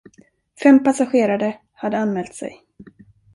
Fem passagerare hade anmält sig.